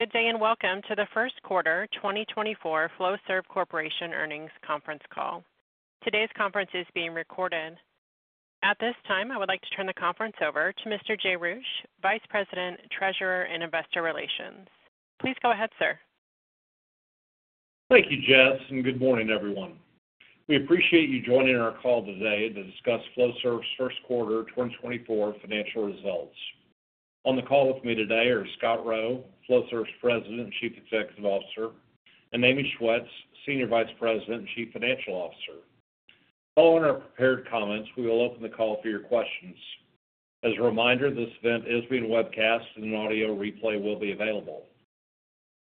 Good day and welcome to the first quarter 2024 Flowserve Corporation earnings conference call. Today's conference is being recorded. At this time, I would like to turn the conference over to Mr. Jay Roueche, Vice President, Treasurer, and Investor Relations. Please go ahead, sir. Thank you, Jess, and good morning, everyone. We appreciate you joining our call today to discuss Flowserve's first quarter 2024 financial results. On the call with me today are Scott Rowe, Flowserve's President and Chief Executive Officer, and Amy Schwetz, Senior Vice President and Chief Financial Officer. Following our prepared comments, we will open the call for your questions. As a reminder, this event is being webcast and an audio replay will be available.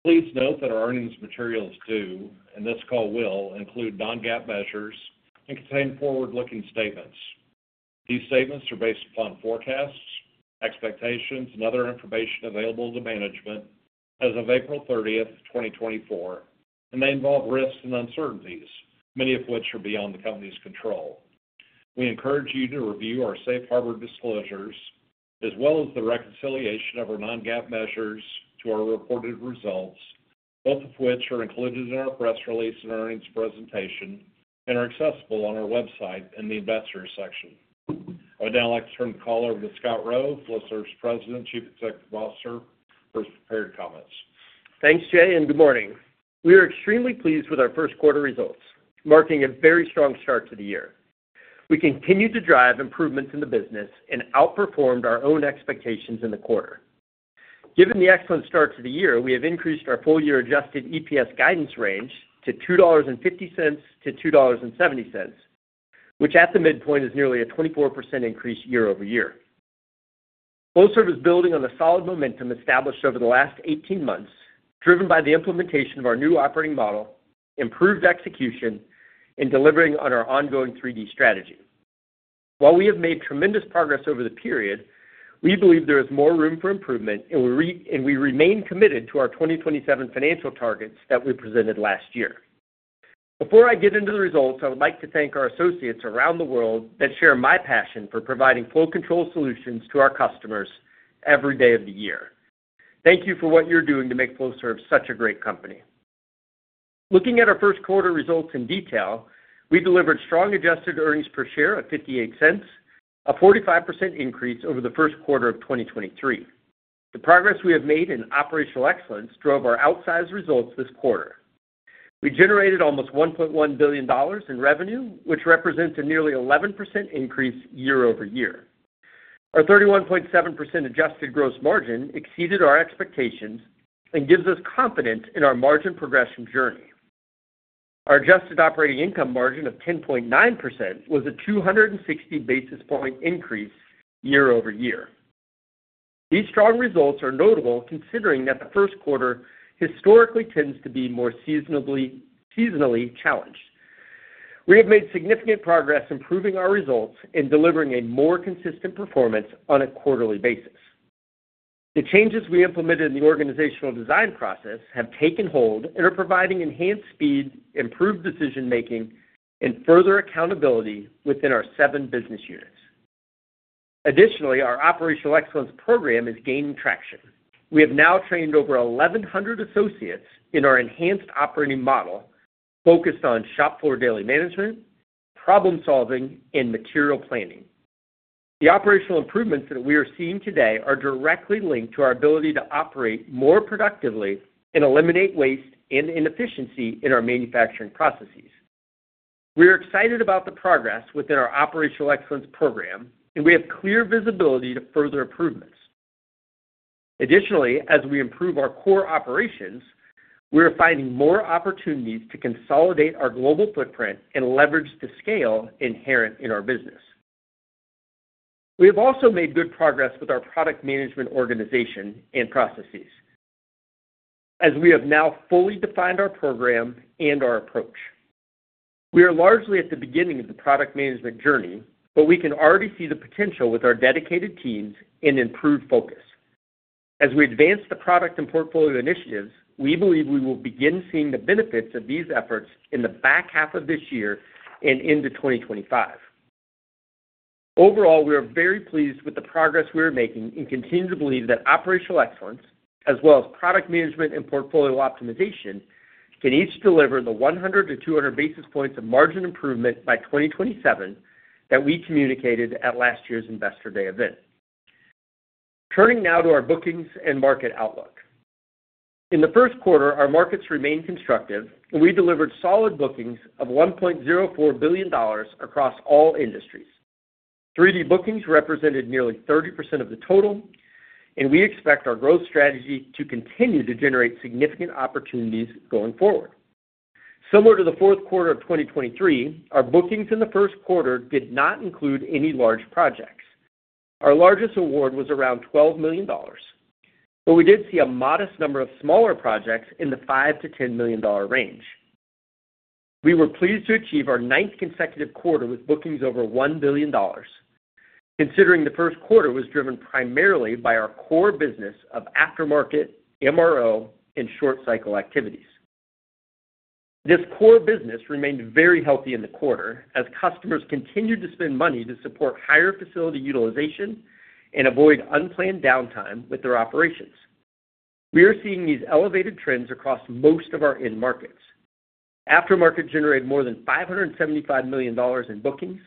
Please note that our earnings materials do, and this call will, include non-GAAP measures and contain forward-looking statements. These statements are based upon forecasts, expectations, and other information available to management as of April 30, 2024, and they involve risks and uncertainties, many of which are beyond the company's control. We encourage you to review our safe harbor disclosures as well as the reconciliation of our non-GAAP measures to our reported results, both of which are included in our press release and earnings presentation and are accessible on our website in the Investors section. I would now like to turn the call over to Scott Rowe, Flowserve's President and Chief Executive Officer, for his prepared comments. Thanks, Jay, and good morning. We are extremely pleased with our first quarter results, marking a very strong start to the year. We continue to drive improvements in the business and outperformed our own expectations in the quarter. Given the excellent start to the year, we have increased our full-year adjusted EPS guidance range to $2.50-$2.70, which at the midpoint is nearly a 24% increase year-over-year. Flowserve is building on the solid momentum established over the last 18 months, driven by the implementation of our new operating model, improved execution, and delivering on our ongoing 3D Strategy. While we have made tremendous progress over the period, we believe there is more room for improvement, and we remain committed to our 2027 financial targets that we presented last year. Before I get into the results, I would like to thank our associates around the world that share my passion for providing full control solutions to our customers every day of the year. Thank you for what you're doing to make Flowserve such a great company. Looking at our first quarter results in detail, we delivered strong adjusted earnings per share of $0.58, a 45% increase over the first quarter of 2023. The progress we have made in operational excellence drove our outsized results this quarter. We generated almost $1.1 billion in revenue, which represents a nearly 11% increase year-over-year. Our 31.7% adjusted gross margin exceeded our expectations and gives us confidence in our margin progression journey. Our adjusted operating income margin of 10.9% was a 260 basis points increase year-over-year. These strong results are notable considering that the first quarter historically tends to be more seasonally challenged. We have made significant progress improving our results and delivering a more consistent performance on a quarterly basis. The changes we implemented in the organizational design process have taken hold and are providing enhanced speed, improved decision making, and further accountability within our seven business units. Additionally, our operational excellence program is gaining traction. We have now trained over 1,100 associates in our enhanced operating model focused on shop floor daily management, problem solving, and material planning. The operational improvements that we are seeing today are directly linked to our ability to operate more productively and eliminate waste and inefficiency in our manufacturing processes. We are excited about the progress within our operational excellence program, and we have clear visibility to further improvements. Additionally, as we improve our core operations, we are finding more opportunities to consolidate our global footprint and leverage the scale inherent in our business. We have also made good progress with our product management organization and processes, as we have now fully defined our program and our approach. We are largely at the beginning of the product management journey, but we can already see the potential with our dedicated teams and improved focus. As we advance the product and portfolio initiatives, we believe we will begin seeing the benefits of these efforts in the back half of this year and into 2025. Overall, we are very pleased with the progress we are making and continue to believe that operational excellence, as well as product management and portfolio optimization, can each deliver the 100-200 basis points of margin improvement by 2027 that we communicated at last year's Investor Day event. Turning now to our bookings and market outlook. In the first quarter, our markets remained constructive, and we delivered solid bookings of $1.04 billion across all industries. 3D bookings represented nearly 30% of the total, and we expect our growth strategy to continue to generate significant opportunities going forward. Similar to the fourth quarter of 2023, our bookings in the first quarter did not include any large projects. Our largest award was around $12 million, but we did see a modest number of smaller projects in the $5 million-$10 million range. We were pleased to achieve our ninth consecutive quarter with bookings over $1 billion, considering the first quarter was driven primarily by our core business of aftermarket, MRO, and short cycle activities. This core business remained very healthy in the quarter as customers continued to spend money to support higher facility utilization and avoid unplanned downtime with their operations. We are seeing these elevated trends across most of our end-markets. Aftermarket generated more than $575 million in bookings,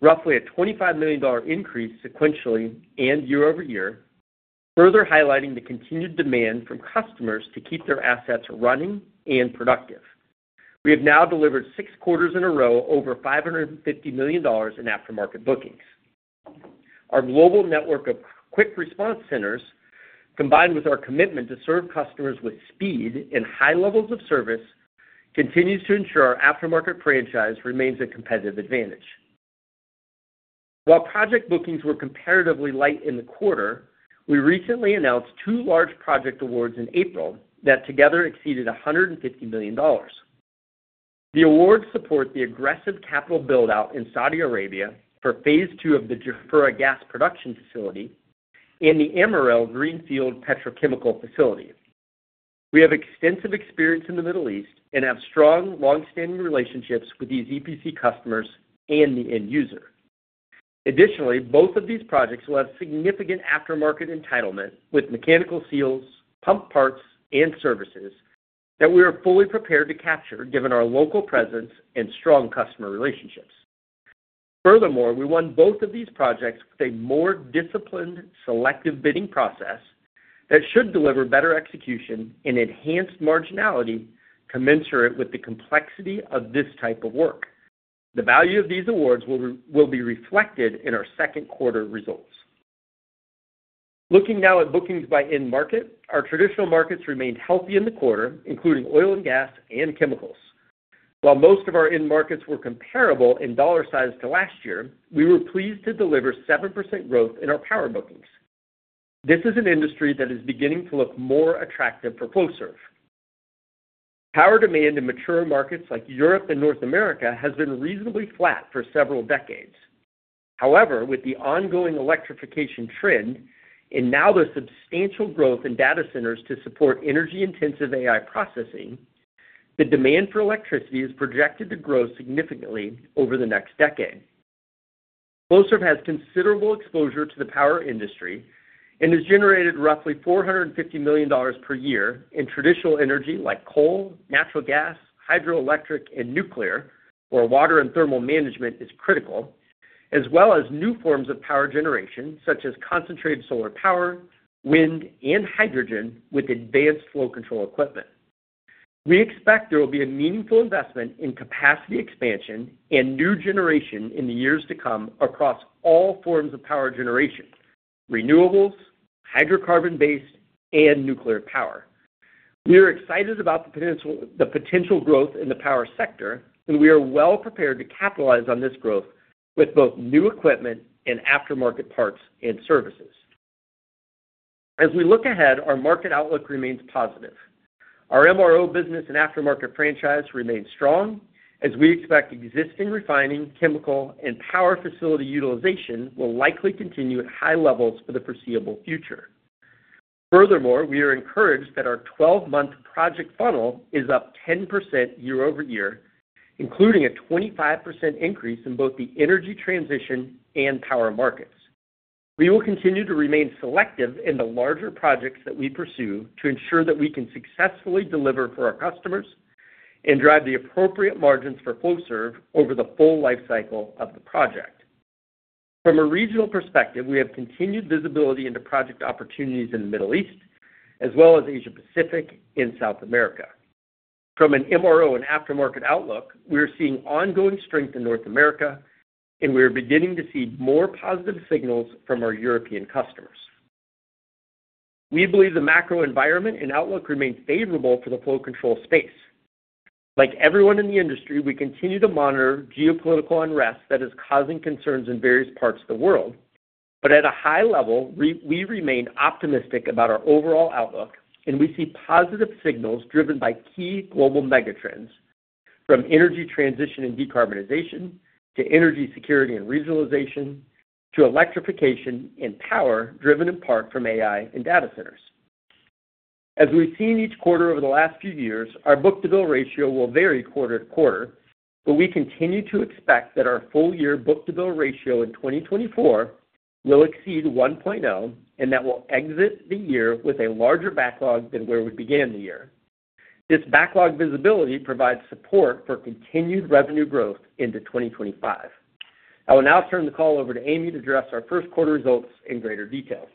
roughly a $25 million increase sequentially and year-over-year, further highlighting the continued demand from customers to keep their assets running and productive. We have now delivered six quarters in a row over $550 million in aftermarket bookings. Our global network of quick response centers, combined with our commitment to serve customers with speed and high levels of service, continues to ensure our aftermarket franchise remains a competitive advantage. While project bookings were comparatively light in the quarter, we recently announced two large project awards in April that together exceeded $150 million. The awards support the aggressive capital buildout in Saudi Arabia for Phase 2 of the Jafurah gas production facility and the Amiral greenfield petrochemical facility. We have extensive experience in the Middle East and have strong, longstanding relationships with these EPC customers and the end user. Additionally, both of these projects will have significant aftermarket entitlement with mechanical seals, pump parts, and services that we are fully prepared to capture given our local presence and strong customer relationships. Furthermore, we won both of these projects with a more disciplined, selective bidding process that should deliver better execution and enhanced marginality commensurate with the complexity of this type of work. The value of these awards will be reflected in our second quarter results. Looking now at bookings by in-market, our traditional markets remained healthy in the quarter, including oil and gas and chemicals. While most of our in-markets were comparable in dollar size to last year, we were pleased to deliver 7% growth in our power bookings. This is an industry that is beginning to look more attractive for Flowserve. Power demand in mature markets like Europe and North America has been reasonably flat for several decades. However, with the ongoing electrification trend and now the substantial growth in data centers to support energy-intensive AI processing, the demand for electricity is projected to grow significantly over the next decade. Flowserve has considerable exposure to the power industry and has generated roughly $450 million per year in traditional energy like coal, natural gas, hydroelectric, and nuclear, where water and thermal management is critical, as well as new forms of power generation such as concentrated solar power, wind, and hydrogen with advanced flow control equipment. We expect there will be a meaningful investment in capacity expansion and new generation in the years to come across all forms of power generation, renewables, hydrocarbon-based, and nuclear power. We are excited about the potential growth in the power sector, and we are well prepared to capitalize on this growth with both new equipment and aftermarket parts and services. As we look ahead, our market outlook remains positive. Our MRO business and aftermarket franchise remain strong, as we expect existing refining, chemical, and power facility utilization will likely continue at high levels for the foreseeable future. Furthermore, we are encouraged that our 12-month project funnel is up 10% year-over-year, including a 25% increase in both the energy transition and power markets. We will continue to remain selective in the larger projects that we pursue to ensure that we can successfully deliver for our customers and drive the appropriate margins for Flowserve over the full lifecycle of the project. From a regional perspective, we have continued visibility into project opportunities in the Middle East, as well as Asia Pacific and South America. From an MRO and aftermarket outlook, we are seeing ongoing strength in North America, and we are beginning to see more positive signals from our European customers. We believe the macro environment and outlook remain favorable for the flow control space. Like everyone in the industry, we continue to monitor geopolitical unrest that is causing concerns in various parts of the world. But at a high level, we remain optimistic about our overall outlook, and we see positive signals driven by key global megatrends from energy transition and decarbonization to energy security and regionalization to electrification and power driven in part from AI and data centers. As we've seen each quarter over the last few years, our book-to-bill ratio will vary quarter-to-quarter, but we continue to expect that our full-year book-to-bill ratio in 2024 will exceed 1.0 and that we'll exit the year with a larger backlog than where we began the year. This backlog visibility provides support for continued revenue growth into 2025. I will now turn the call over to Amy to address our first quarter results in greater detail.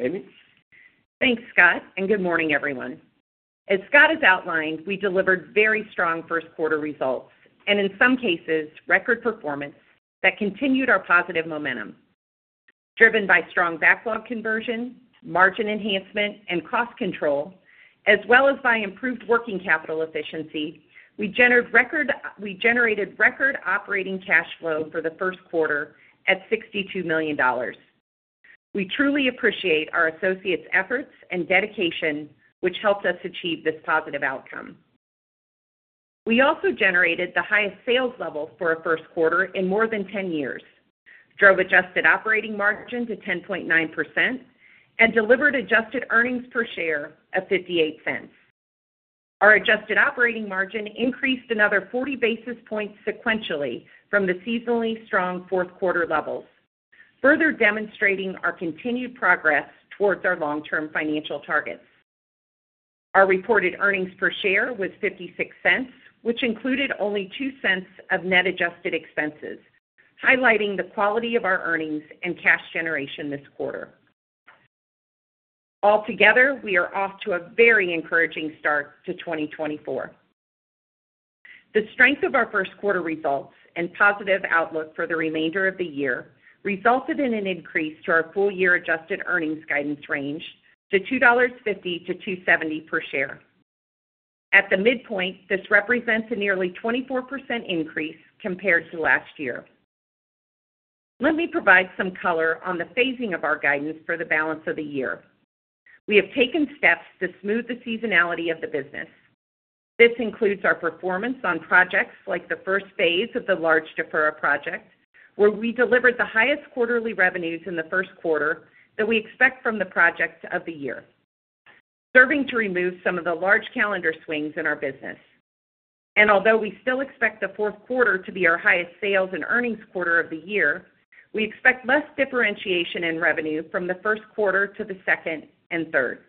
Amy? Thanks, Scott, and good morning, everyone. As Scott has outlined, we delivered very strong first quarter results and, in some cases, record performance that continued our positive momentum. Driven by strong backlog conversion, margin enhancement, and cost control, as well as by improved working capital efficiency, we generated record operating cash flow for the first quarter at $62 million. We truly appreciate our associates' efforts and dedication, which helped us achieve this positive outcome. We also generated the highest sales level for a first quarter in more than 10 years, drove adjusted operating margin to 10.9%, and delivered adjusted earnings per share of $0.58. Our adjusted operating margin increased another 40 basis points sequentially from the seasonally strong fourth quarter levels, further demonstrating our continued progress towards our long-term financial targets. Our reported earnings per share was $0.56, which included only $0.02 of net adjusted expenses, highlighting the quality of our earnings and cash generation this quarter. Altogether, we are off to a very encouraging start to 2024. The strength of our first quarter results and positive outlook for the remainder of the year resulted in an increase to our full-year adjusted earnings guidance range to $2.50-$2.70 per share. At the midpoint, this represents a nearly 24% increase compared to last year. Let me provide some color on the phasing of our guidance for the balance of the year. We have taken steps to smooth the seasonality of the business. This includes our performance on projects like the first phase of the large Jafurah project, where we delivered the highest quarterly revenues in the first quarter that we expect from the project of the year, serving to remove some of the large calendar swings in our business. Although we still expect the fourth quarter to be our highest sales and earnings quarter of the year, we expect less differentiation in revenue from the first quarter to the second and third.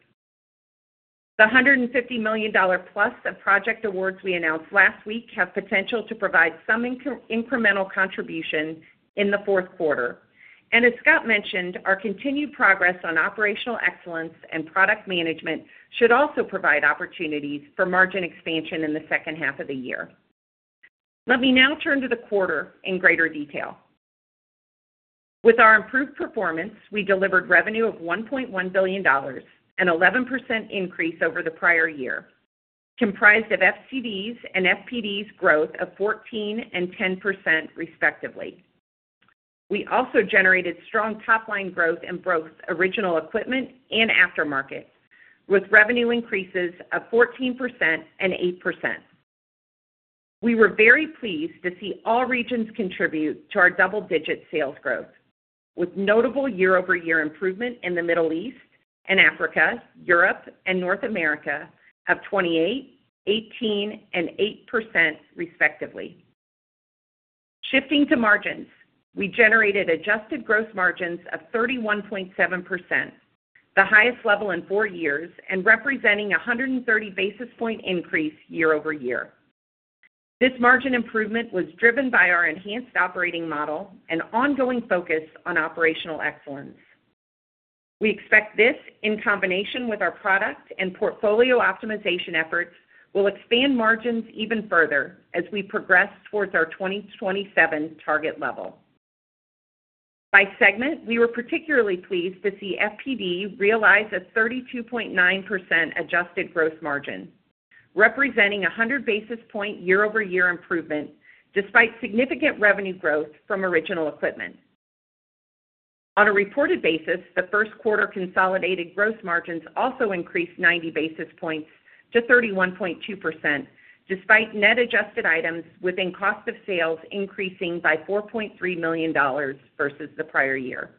The $150 million plus of project awards we announced last week have potential to provide some incremental contribution in the fourth quarter. As Scott mentioned, our continued progress on operational excellence and product management should also provide opportunities for margin expansion in the second half of the year. Let me now turn to the quarter in greater detail. With our improved performance, we delivered revenue of $1.1 billion, an 11% increase over the prior year, comprised of FCDs and FPDs growth of 14 and 10%, respectively. We also generated strong topline growth in both original equipment and aftermarket, with revenue increases of 14% and 8%. We were very pleased to see all regions contribute to our double-digit sales growth, with notable year-over-year improvement in the Middle East and Africa, Europe, and North America of 28%, 18%, and 8%, respectively. Shifting to margins, we generated adjusted gross margins of 31.7%, the highest level in four years and representing a 130 basis points increase year-over-year. This margin improvement was driven by our enhanced operating model and ongoing focus on operational excellence. We expect this, in combination with our product and portfolio optimization efforts, will expand margins even further as we progress towards our 2027 target level. By segment, we were particularly pleased to see FPD realize a 32.9% adjusted gross margin, representing a 100 basis point year-over-year improvement despite significant revenue growth from original equipment. On a reported basis, the first quarter consolidated gross margins also increased 90 basis points to 31.2%, despite net adjusted items within cost of sales increasing by $4.3 million versus the prior year.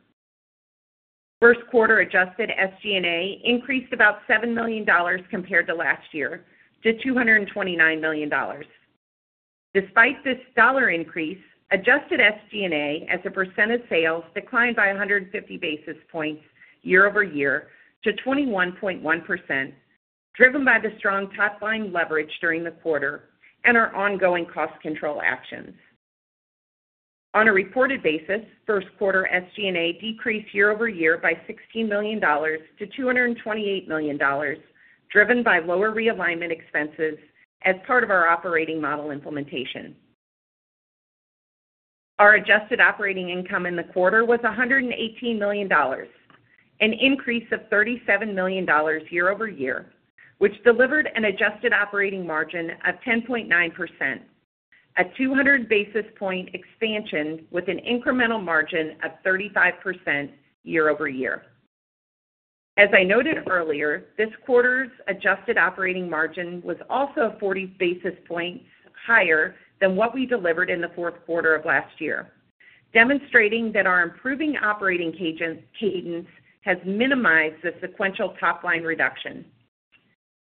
First quarter adjusted SG&A increased about $7 million compared to last year to $229 million. Despite this dollar increase, adjusted SG&A as a percent of sales declined by 150 basis points year-over-year to 21.1%, driven by the strong topline leverage during the quarter and our ongoing cost control actions. On a reported basis, first quarter SG&A decreased year-over-year by $16 million-$228 million, driven by lower realignment expenses as part of our operating model implementation. Our adjusted operating income in the quarter was $118 million, an increase of $37 million year-over-year, which delivered an adjusted operating margin of 10.9%, a 200 basis point expansion with an incremental margin of 35% year-over-year. As I noted earlier, this quarter's adjusted operating margin was also a 40 basis points higher than what we delivered in the fourth quarter of last year, demonstrating that our improving operating cadence has minimized the sequential top-line reduction.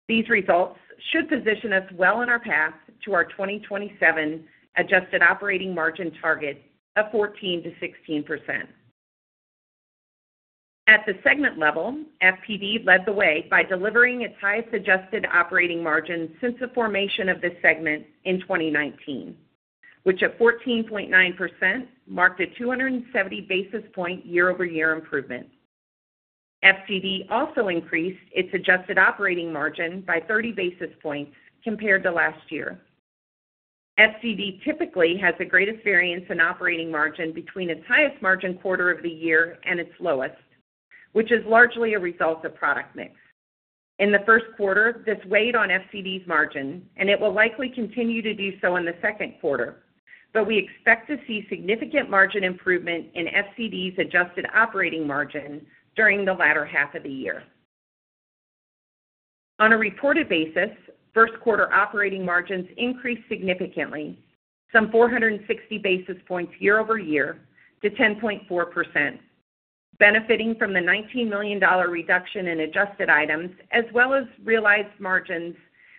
These results should position us well in our path to our 2027 adjusted operating margin target of 14%-16%. At the segment level, FPD led the way by delivering its highest adjusted operating margin since the formation of this segment in 2019, which at 14.9% marked a 270 basis point year-over-year improvement. FCD also increased its adjusted operating margin by 30 basis points compared to last year. FCD typically has the greatest variance in operating margin between its highest margin quarter of the year and its lowest, which is largely a result of product mix. In the first quarter, this weighed on FCD's margin, and it will likely continue to do so in the second quarter. But we expect to see significant margin improvement in FCD's adjusted operating margin during the latter half of the year. On a reported basis, first quarter operating margins increased significantly, some 460 basis points year-over-year to 10.4%, benefiting from the $19 million reduction in adjusted items as well as realized margins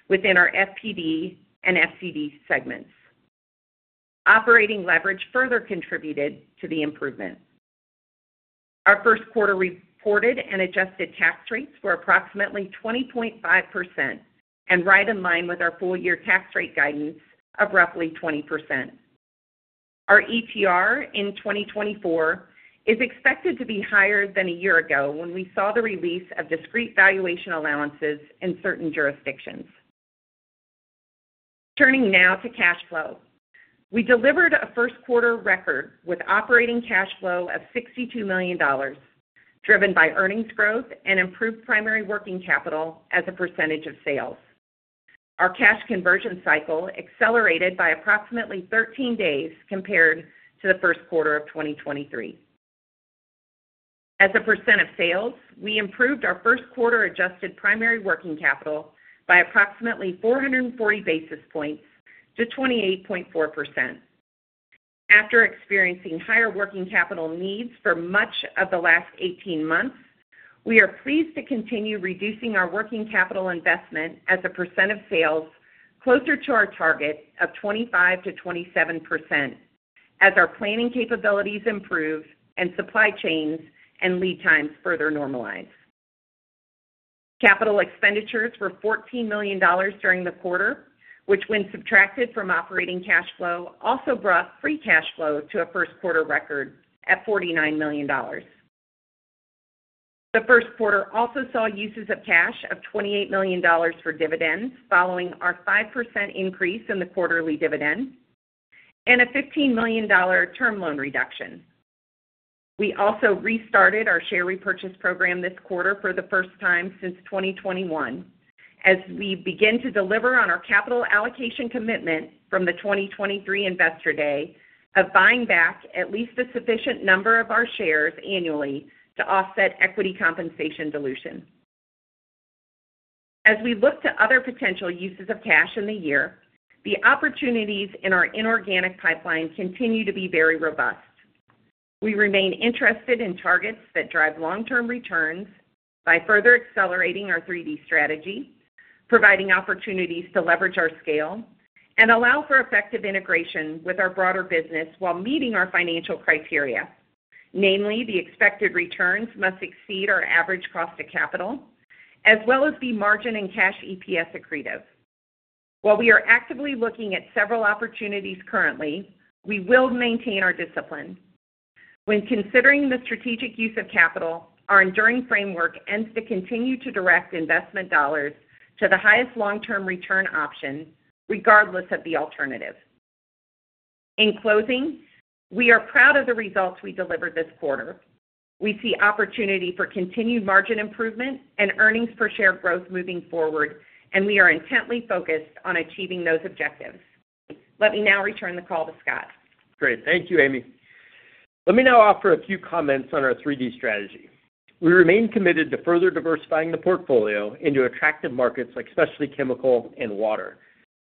within our FPD and FCD segments. Operating leverage further contributed to the improvement. Our first quarter reported and adjusted tax rates were approximately 20.5% and right in line with our full-year tax rate guidance of roughly 20%. Our ETR in 2024 is expected to be higher than a year ago when we saw the release of discrete valuation allowances in certain jurisdictions. Turning now to cash flow, we delivered a first quarter record with operating cash flow of $62 million, driven by earnings growth and improved primary working capital as a percentage of sales. Our cash conversion cycle accelerated by approximately 13 days compared to the first quarter of 2023. As a percent of sales, we improved our first quarter adjusted primary working capital by approximately 440 basis points to 28.4%. After experiencing higher working capital needs for much of the last 18 months, we are pleased to continue reducing our working capital investment as a percent of sales closer to our target of 25%-27% as our planning capabilities improve and supply chains and lead times further normalize. Capital expenditures were $14 million during the quarter, which, when subtracted from operating cash flow, also brought free cash flow to a first quarter record at $49 million. The first quarter also saw uses of cash of $28 million for dividends following our 5% increase in the quarterly dividend and a $15 million term loan reduction. We also restarted our share repurchase program this quarter for the first time since 2021 as we begin to deliver on our capital allocation commitment from the 2023 Investor Day of buying back at least a sufficient number of our shares annually to offset equity compensation dilution. As we look to other potential uses of cash in the year, the opportunities in our inorganic pipeline continue to be very robust. We remain interested in targets that drive long-term returns by further accelerating our 3D Strategy, providing opportunities to leverage our scale, and allow for effective integration with our broader business while meeting our financial criteria, namely the expected returns must exceed our average cost of capital as well as be margin and cash EPS accretive. While we are actively looking at several opportunities currently, we will maintain our discipline. When considering the strategic use of capital, our enduring framework aims to continue to direct investment dollars to the highest long-term return option regardless of the alternative. In closing, we are proud of the results we delivered this quarter. We see opportunity for continued margin improvement and earnings per share growth moving forward, and we are intently focused on achieving those objectives. Let me now return the call to Scott. Great. Thank you, Amy. Let me now offer a few comments on our 3D Strategy. We remain committed to further diversifying the portfolio into attractive markets like specialty chemical and water,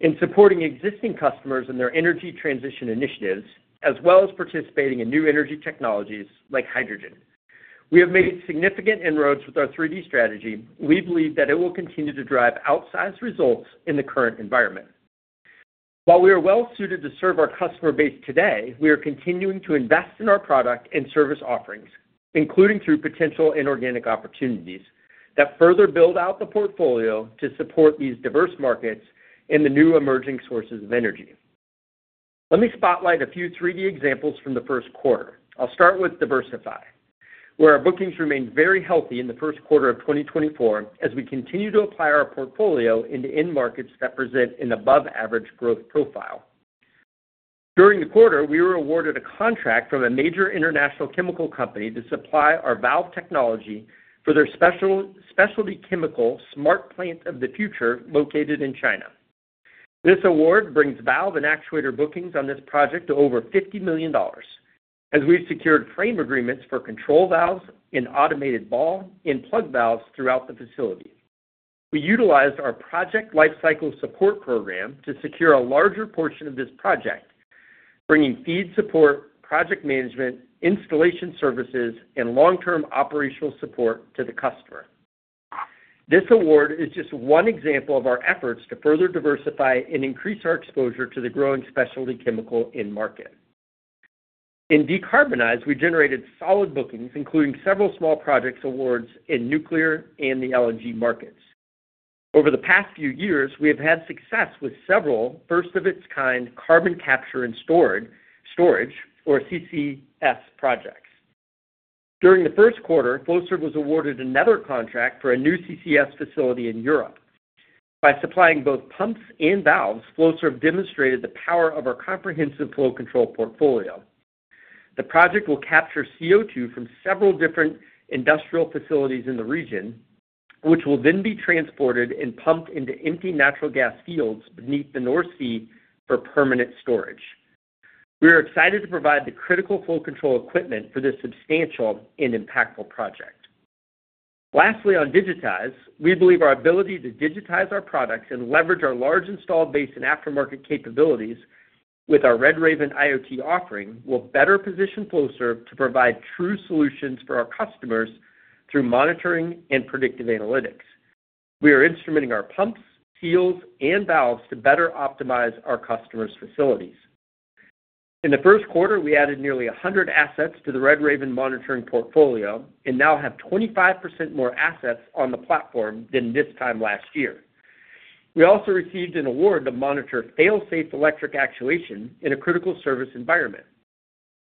in supporting existing customers in their energy transition initiatives as well as participating in new energy technologies like hydrogen. We have made significant inroads with our 3D Strategy. We believe that it will continue to drive outsized results in the current environment. While we are well suited to serve our customer base today, we are continuing to invest in our product and service offerings, including through potential inorganic opportunities that further build out the portfolio to support these diverse markets and the new emerging sources of energy. Let me spotlight a few 3D examples from the first quarter. I'll start with Diversify, where our bookings remain very healthy in the first quarter of 2024 as we continue to apply our portfolio into end markets that present an above-average growth profile. During the quarter, we were awarded a contract from a major international chemical company to supply our valve technology for their specialty chemical Smart Plant of the Future located in China. This award brings valve and actuator bookings on this project to over $50 million as we've secured frame agreements for control valves and automated ball and plug valves throughout the facility. We utilized our project lifecycle support program to secure a larger portion of this project, bringing FEED support, project management, installation services, and long-term operational support to the customer. This award is just one example of our efforts to further diversify and increase our exposure to the growing specialty chemical in market. In Decarbonize, we generated solid bookings, including several small project awards in nuclear and the LNG markets. Over the past few years, we have had success with several first-of-its-kind carbon capture and storage, or CCS, projects. During the first quarter, Flowserve was awarded another contract for a new CCS facility in Europe. By supplying both pumps and valves, Flowserve demonstrated the power of our comprehensive flow control portfolio. The project will capture CO2 from several different industrial facilities in the region, which will then be transported and pumped into empty natural gas fields beneath the North Sea for permanent storage. We are excited to provide the critical flow control equipment for this substantial and impactful project. Lastly, on Digitize, we believe our ability to digitize our products and leverage our large installed base and aftermarket capabilities with our Red Raven IoT offering will better position Flowserve to provide true solutions for our customers through monitoring and predictive analytics. We are instrumenting our pumps, seals, and valves to better optimize our customers' facilities. In the first quarter, we added nearly 100 assets to the Red Raven monitoring portfolio and now have 25% more assets on the platform than this time last year. We also received an award to monitor fail-safe electric actuation in a critical service environment.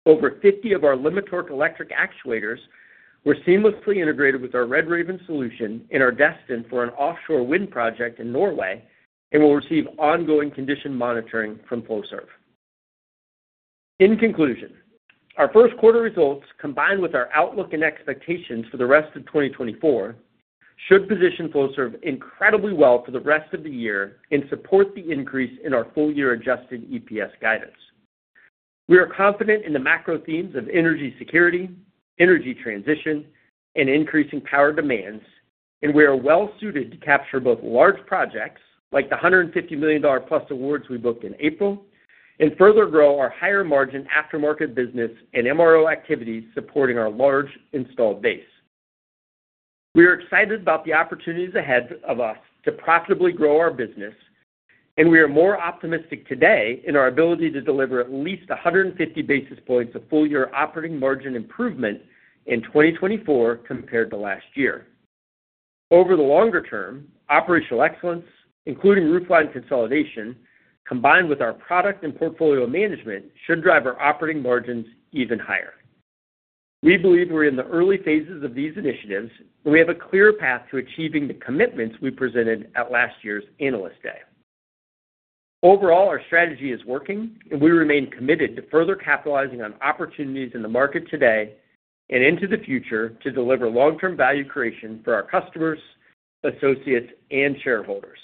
Over 50 of our Limitorque electric actuators were seamlessly integrated with our Red Raven solution and are destined for an offshore wind project in Norway and will receive ongoing condition monitoring from Flowserve. In conclusion, our first quarter results, combined with our outlook and expectations for the rest of 2024, should position Flowserve incredibly well for the rest of the year and support the increase in our full-year adjusted EPS guidance. We are confident in the macro themes of energy security, energy transition, and increasing power demands, and we are well suited to capture both large projects like the $150 million-plus awards we booked in April and further grow our higher margin aftermarket business and MRO activities supporting our large installed base. We are excited about the opportunities ahead of us to profitably grow our business, and we are more optimistic today in our ability to deliver at least 150 basis points of full-year operating margin improvement in 2024 compared to last year. Over the longer term, operational excellence, including roofline consolidation, combined with our product and portfolio management, should drive our operating margins even higher. We believe we're in the early phases of these initiatives, and we have a clear path to achieving the commitments we presented at last year's Analyst Day. Overall, our strategy is working, and we remain committed to further capitalizing on opportunities in the market today and into the future to deliver long-term value creation for our customers, associates, and shareholders.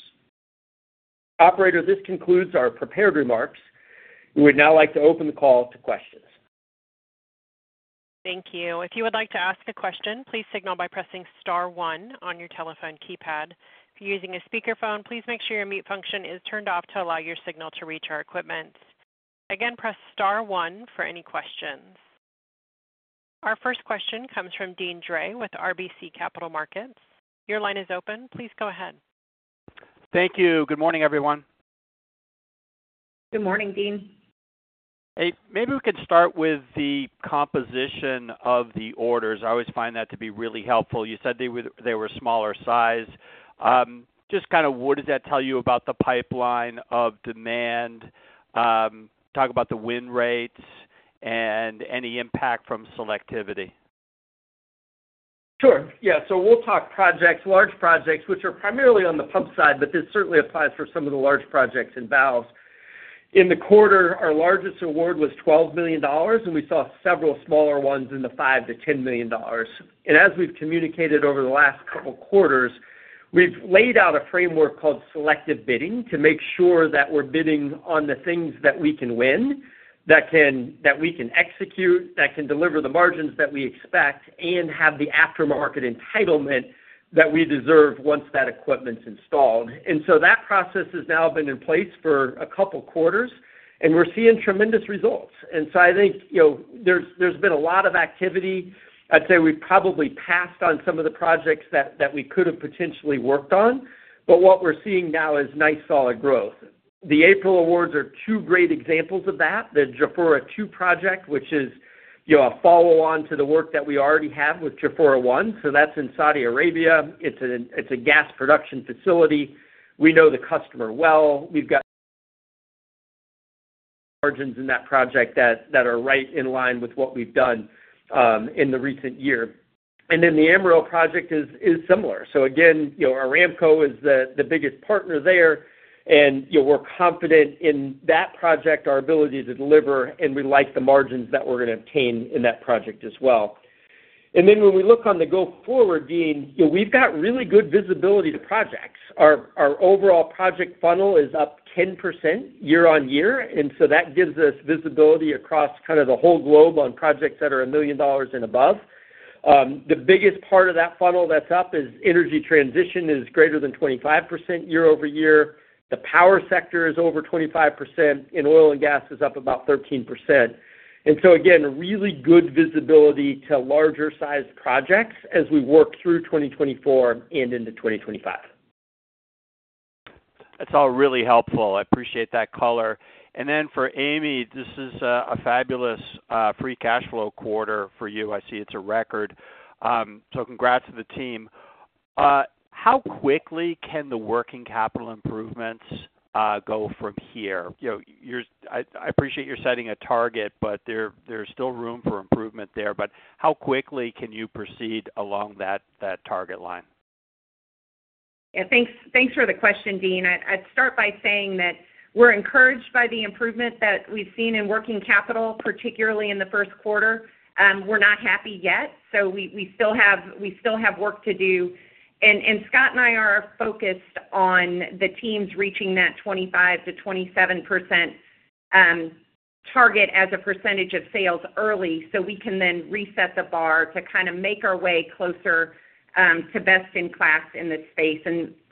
Operator, this concludes our prepared remarks. We would now like to open the call to questions. Thank you. If you would like to ask a question, please signal by pressing star one on your telephone keypad. If you're using a speakerphone, please make sure your mute function is turned off to allow your signal to reach our equipment. Again, press star one for any questions. Our first question comes from Deane Dray with RBC Capital Markets. Your line is open. Please go ahead. Thank you. Good morning, everyone. Good morning, Deane. Hey, maybe we could start with the composition of the orders. I always find that to be really helpful. You said they were smaller size. Just kind of what does that tell you about the pipeline of demand? Talk about the win rates and any impact from selectivity. Sure. Yeah. So we'll talk projects, large projects, which are primarily on the pump side, but this certainly applies for some of the large projects and valves. In the quarter, our largest award was $12 million, and we saw several smaller ones in the $5 million-$10 million. And as we've communicated over the last couple of quarters, we've laid out a framework called selective bidding to make sure that we're bidding on the things that we can win, that we can execute, that can deliver the margins that we expect, and have the aftermarket entitlement that we deserve once that equipment's installed. And so that process has now been in place for a couple of quarters, and we're seeing tremendous results. And so I think there's been a lot of activity. I'd say we've probably passed on some of the projects that we could have potentially worked on, but what we're seeing now is nice, solid growth. The April awards are two great examples of that. The Jafurah 2 project, which is a follow-on to the work that we already have with Jafurah 1. So that's in Saudi Arabia. It's a gas production facility. We know the customer well. We've got margins in that project that are right in line with what we've done in the recent year. And then the Amiral project is similar. So again, Aramco is the biggest partner there, and we're confident in that project, our ability to deliver, and we like the margins that we're going to obtain in that project as well. And then when we look on the go forward, Deane, we've got really good visibility to projects. Our overall project funnel is up 10% year-over-year, and so that gives us visibility across kind of the whole globe on projects that are $1 million and above. The biggest part of that funnel that's up is energy transition is greater than 25% year-over-year. The power sector is over 25%, and oil and gas is up about 13%. And so again, really good visibility to larger-sized projects as we work through 2024 and into 2025. That's all really helpful. I appreciate that color. And then for Amy, this is a fabulous free cash flow quarter for you. I see it's a record. So congrats to the team. How quickly can the working capital improvements go from here? I appreciate you're setting a target, but there's still room for improvement there. But how quickly can you proceed along that target line? Yeah. Thanks for the question, Deane. I'd start by saying that we're encouraged by the improvement that we've seen in working capital, particularly in the first quarter. We're not happy yet, so we still have work to do. Scott and I are focused on the teams reaching that 25%-27% target as a percentage of sales early so we can then reset the bar to kind of make our way closer to best in class in this space.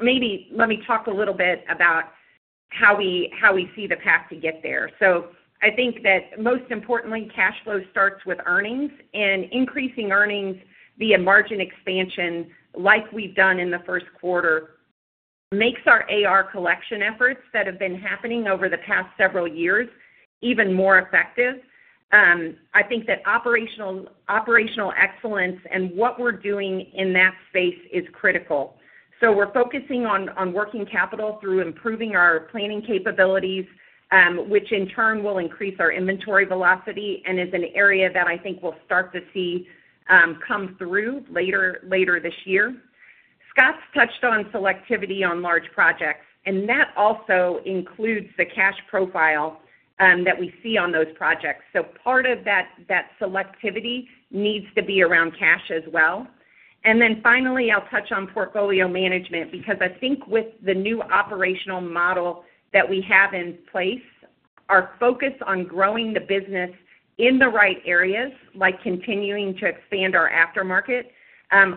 Maybe let me talk a little bit about how we see the path to get there. So I think that most importantly, cash flow starts with earnings, and increasing earnings via margin expansion like we've done in the first quarter makes our AR collection efforts that have been happening over the past several years even more effective. I think that operational excellence and what we're doing in that space is critical. So we're focusing on working capital through improving our planning capabilities, which in turn will increase our inventory velocity and is an area that I think we'll start to see come through later this year. Scott's touched on selectivity on large projects, and that also includes the cash profile that we see on those projects. So part of that selectivity needs to be around cash as well. And then finally, I'll touch on portfolio management because I think with the new operational model that we have in place, our focus on growing the business in the right areas, like continuing to expand our aftermarket,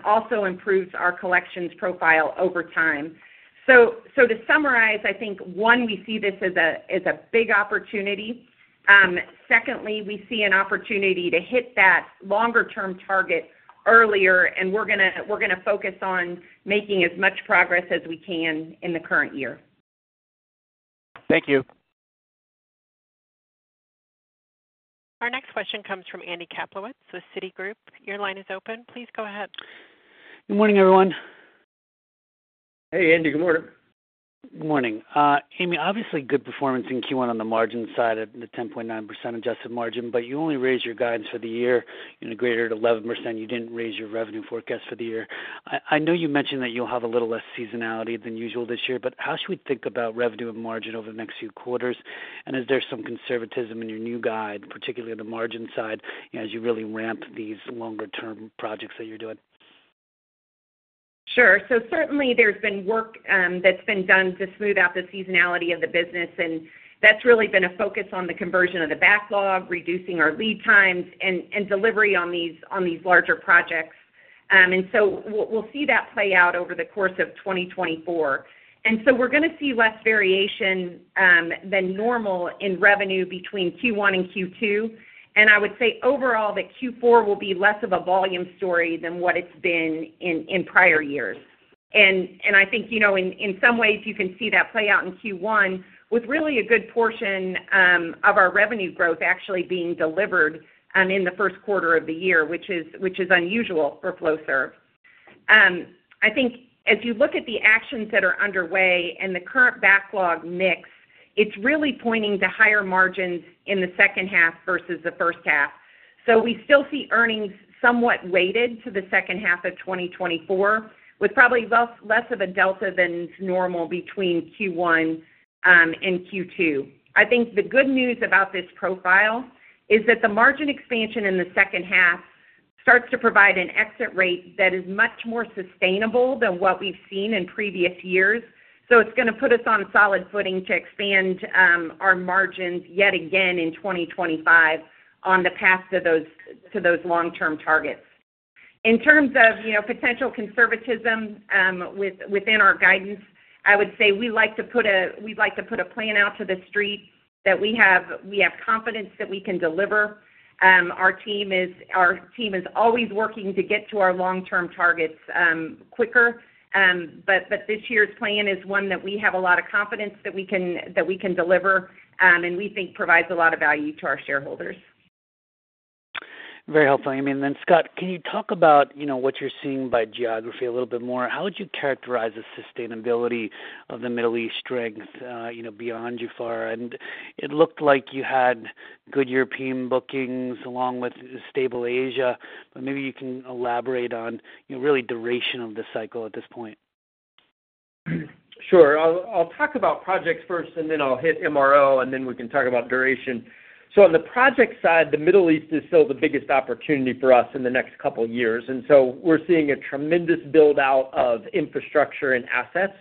also improves our collections profile over time. So to summarize, I think, one, we see this as a big opportunity. Secondly, we see an opportunity to hit that longer-term target earlier, and we're going to focus on making as much progress as we can in the current year. Thank you. Our next question comes from Andy Kaplowitz with Citigroup. Your line is open. Please go ahead. Good morning, everyone. Hey, Andy. Good morning. Good morning. Amy, obviously, good performance in Q1 on the margin side at the 10.9% adjusted margin, but you only raised your guidance for the year greater than 11%. You didn't raise your revenue forecast for the year. I know you mentioned that you'll have a little less seasonality than usual this year, but how should we think about revenue and margin over the next few quarters? And is there some conservatism in your new guide, particularly on the margin side, as you really ramp these longer-term projects that you're doing? Sure. So certainly, there's been work that's been done to smooth out the seasonality of the business, and that's really been a focus on the conversion of the backlog, reducing our lead times, and delivery on these larger projects. And so we'll see that play out over the course of 2024. And so we're going to see less variation than normal in revenue between Q1 and Q2. And I would say overall that Q4 will be less of a volume story than what it's been in prior years. And I think in some ways, you can see that play out in Q1 with really a good portion of our revenue growth actually being delivered in the first quarter of the year, which is unusual for Flowserve. I think as you look at the actions that are underway and the current backlog mix, it's really pointing to higher margins in the second half versus the first half. We still see earnings somewhat weighted to the second half of 2024 with probably less of a delta than normal between Q1 and Q2. I think the good news about this profile is that the margin expansion in the second half starts to provide an exit rate that is much more sustainable than what we've seen in previous years. So it's going to put us on solid footing to expand our margins yet again in 2025 on the path to those long-term targets. In terms of potential conservatism within our guidance, I would say we'd like to put a plan out to the street that we have confidence that we can deliver. Our team is always working to get to our long-term targets quicker, but this year's plan is one that we have a lot of confidence that we can deliver and we think provides a lot of value to our shareholders. Very helpful, Amy. And then Scott, can you talk about what you're seeing by geography a little bit more? How would you characterize the sustainability of the Middle East strength beyond Jafurah? And it looked like you had good European bookings along with stable Asia, but maybe you can elaborate on really duration of the cycle at this point? Sure. I'll talk about projects first, and then I'll hit MRO, and then we can talk about duration. So on the project side, the Middle East is still the biggest opportunity for us in the next couple of years. And so we're seeing a tremendous build-out of infrastructure and assets.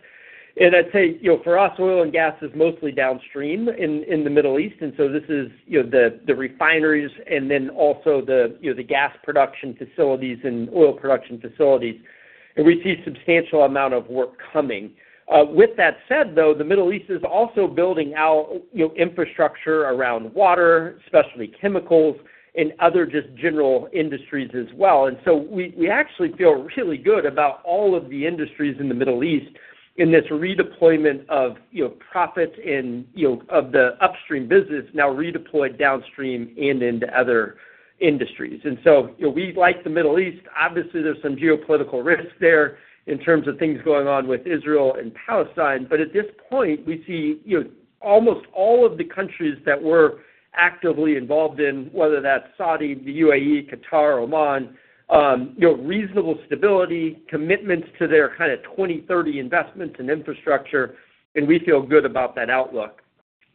And I'd say for us, oil and gas is mostly downstream in the Middle East. And so this is the refineries and then also the gas production facilities and oil production facilities. And we see a substantial amount of work coming. With that said, though, the Middle East is also building out infrastructure around water, especially chemicals, and other just general industries as well. And so we actually feel really good about all of the industries in the Middle East in this redeployment of profits of the upstream business now redeployed downstream and into other industries. And so we like the Middle East. Obviously, there's some geopolitical risk there in terms of things going on with Israel and Palestine. But at this point, we see almost all of the countries that we're actively involved in, whether that's Saudi, the UAE, Qatar, Oman, reasonable stability, commitments to their kind of 2030 investments in infrastructure, and we feel good about that outlook.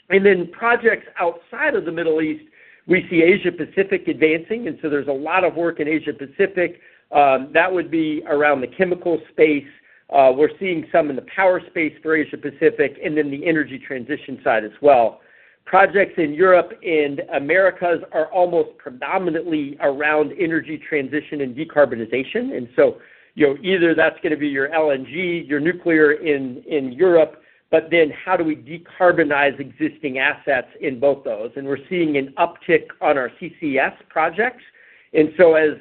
And then projects outside of the Middle East, we see Asia-Pacific advancing. And so there's a lot of work in Asia-Pacific. That would be around the chemical space. We're seeing some in the power space for Asia-Pacific and then the energy transition side as well. Projects in Europe and America are almost predominantly around energy transition and decarbonization. And so either that's going to be your LNG, your nuclear in Europe, but then how do we decarbonize existing assets in both those? We're seeing an uptick on our CCS projects. So as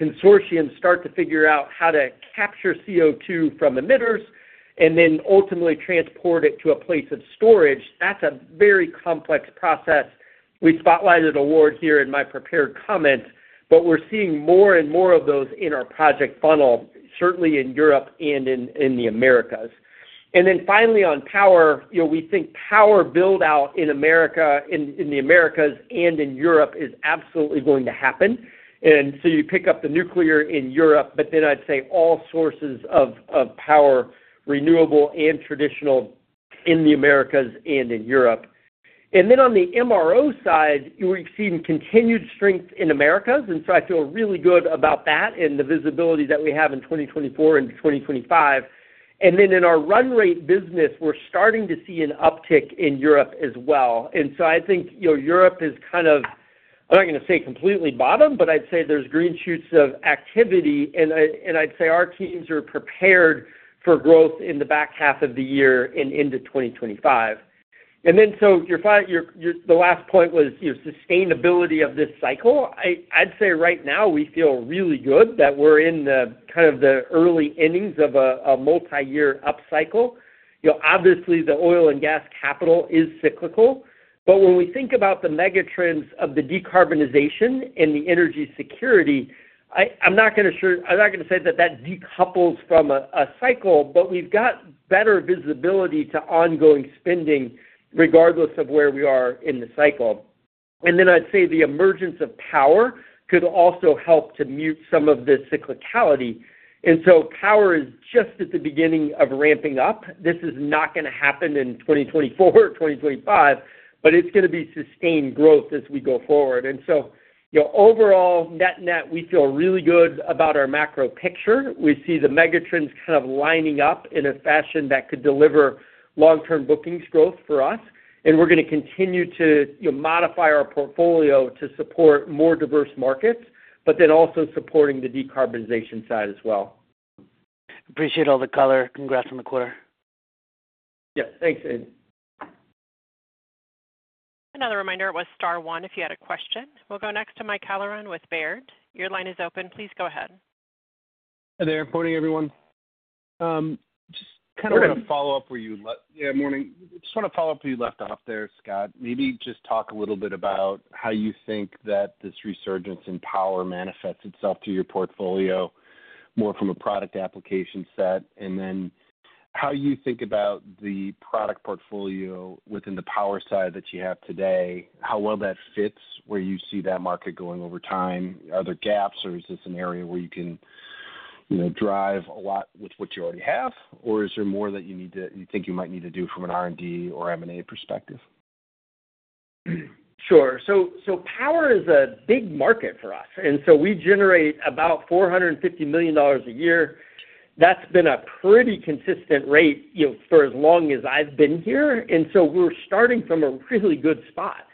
consortiums start to figure out how to capture CO2 from emitters and then ultimately transport it to a place of storage, that's a very complex process. We spotlighted an award here in my prepared comment, but we're seeing more and more of those in our project funnel, certainly in Europe and in the Americas. Then finally, on power, we think power build-out in America and in the Americas and in Europe is absolutely going to happen. So you pick up the nuclear in Europe, but then I'd say all sources of power, renewable and traditional, in the Americas and in Europe. Then on the MRO side, we've seen continued strength in Americas, and so I feel really good about that and the visibility that we have in 2024 and 2025. In our run-rate business, we're starting to see an uptick in Europe as well. So I think Europe is kind of, I'm not going to say completely bottom, but I'd say there's green shoots of activity, and I'd say our teams are prepared for growth in the back half of the year and into 2025. The last point was sustainability of this cycle. I'd say right now, we feel really good that we're in kind of the early innings of a multi-year upcycle. Obviously, the oil and gas capital is cyclical, but when we think about the megatrends of the decarbonization and the energy security, I'm not going to say that that decouples from a cycle, but we've got better visibility to ongoing spending regardless of where we are in the cycle. And then I'd say the emergence of power could also help to mute some of this cyclicality. And so power is just at the beginning of ramping up. This is not going to happen in 2024 or 2025, but it's going to be sustained growth as we go forward. And so overall, net-net, we feel really good about our macro picture. We see the megatrends kind of lining up in a fashion that could deliver long-term bookings growth for us, and we're going to continue to modify our portfolio to support more diverse markets, but then also supporting the decarbonization side as well. Appreciate all the color. Congrats on the quarter. Yes. Thanks, Andy. Another reminder, it was star one if you had a question. We'll go next to Mike Halloran with Baird. Your line is open. Please go ahead. Hi there. Good morning, everyone. Just want to follow up where you left off there, Scott. Maybe just talk a little bit about how you think that this resurgence in power manifests itself to your portfolio more from a product application set, and then how you think about the product portfolio within the power side that you have today, how well that fits where you see that market going over time. Are there gaps, or is this an area where you can drive a lot with what you already have, or is there more that you think you might need to do from an R&D or M&A perspective? Sure. So power is a big market for us. And so we generate about $450 million a year. That's been a pretty consistent rate for as long as I've been here. And so we're starting from a really good spot.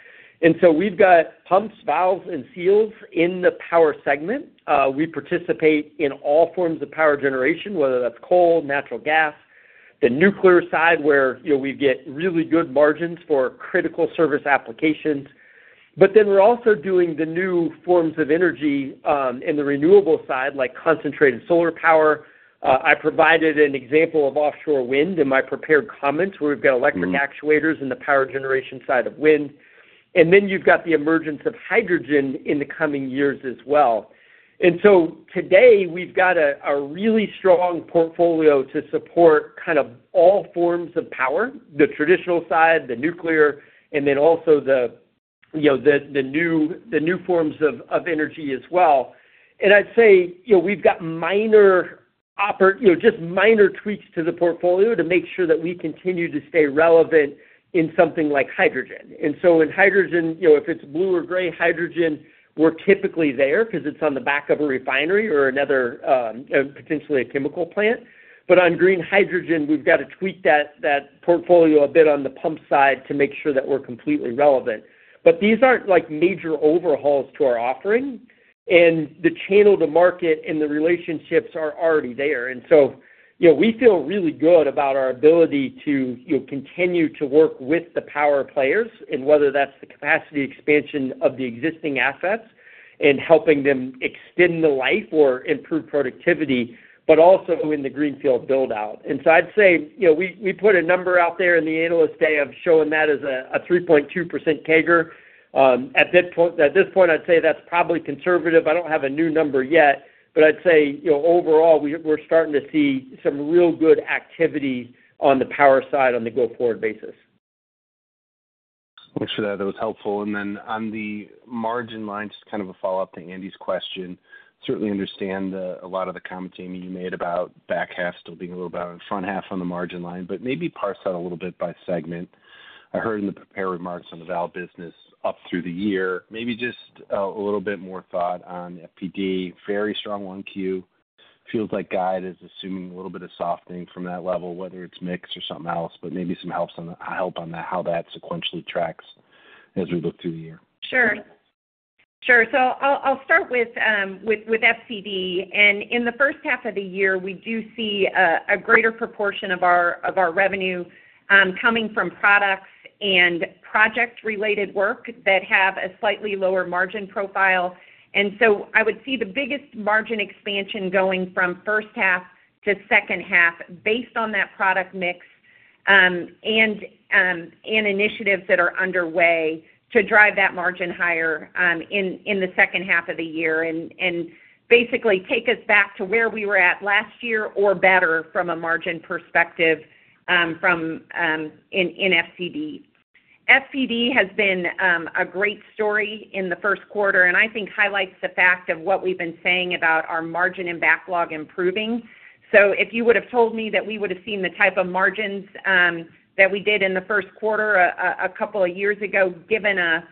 And so we've got pumps, valves, and seals in the power segment. We participate in all forms of power generation, whether that's coal, natural gas, the nuclear side where we get really good margins for critical service applications. But then we're also doing the new forms of energy in the renewable side like concentrated solar power. I provided an example of offshore wind in my prepared comments where we've got electric actuators in the power generation side of wind. And then you've got the emergence of hydrogen in the coming years as well. And so today, we've got a really strong portfolio to support kind of all forms of power, the traditional side, the nuclear, and then also the new forms of energy as well. And I'd say we've got just minor tweaks to the portfolio to make sure that we continue to stay relevant in something like hydrogen. And so in hydrogen, if it's blue or gray hydrogen, we're typically there because it's on the back of a refinery or potentially a chemical plant. But on green hydrogen, we've got to tweak that portfolio a bit on the pump side to make sure that we're completely relevant. But these aren't major overhauls to our offering, and the channel to market and the relationships are already there. And so we feel really good about our ability to continue to work with the power players in whether that's the capacity expansion of the existing assets and helping them extend the life or improve productivity, but also in the greenfield build-out. And so I'd say we put a number out there in the Analyst Day of showing that as a 3.2% CAGR. At this point, I'd say that's probably conservative. I don't have a new number yet, but I'd say overall, we're starting to see some real good activity on the power side on the go-forward basis. Thanks for that. That was helpful. And then on the margin line, just kind of a follow-up to Andy's question. Certainly understand a lot of the comments, Amy, you made about back half still being a little better and front half on the margin line, but maybe parse that a little bit by segment. I heard in the prepared remarks on the valve business up through the year, maybe just a little bit more thought on FPD. Very strong 1Q. Feels like guide is assuming a little bit of softening from that level, whether it's mix or something else, but maybe some help on how that sequentially tracks as we look through the year. Sure. Sure. So I'll start with FCD. And in the first half of the year, we do see a greater proportion of our revenue coming from products and project-related work that have a slightly lower margin profile. And so I would see the biggest margin expansion going from first half to second half based on that product mix and initiatives that are underway to drive that margin higher in the second half of the year and basically take us back to where we were at last year or better from a margin perspective in FCD. FCD has been a great story in the first quarter and I think highlights the fact of what we've been saying about our margin and backlog improving. So if you would have told me that we would have seen the type of margins that we did in the first quarter a couple of years ago given a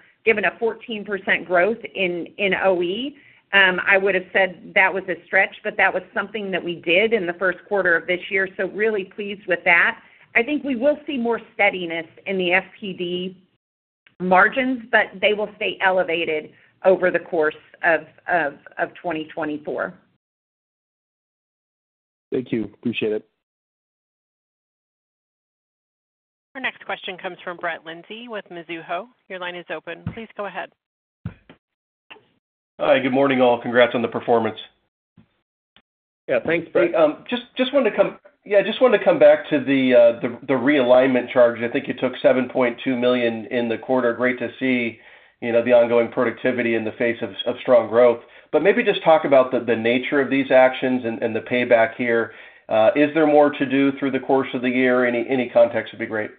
14% growth in OE, I would have said that was a stretch, but that was something that we did in the first quarter of this year. So really pleased with that. I think we will see more steadiness in the FPD margins, but they will stay elevated over the course of 2024. Thank you. Appreciate it. Our next question comes from Brett Linzey with Mizuho. Your line is open. Please go ahead. Hi. Good morning, all. Congrats on the performance. Yeah. Thanks, Brett. Hey. Just wanted to come back to the realignment charge. I think you took $7.2 million in the quarter. Great to see the ongoing productivity in the face of strong growth. But maybe just talk about the nature of these actions and the payback here. Is there more to do through the course of the year? Any context would be great.